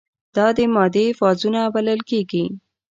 دا د مادې فازونه بلل کیږي.